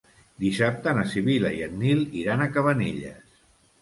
Dissabte na Sibil·la i en Nil iran a Cabanelles.